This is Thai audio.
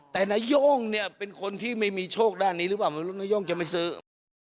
แต่นาย่งเนี่ยเป็นคนที่ไม่มีโชคด้านนี้หรือเปล่าไม่รู้นาย่งจะไม่ซื้อ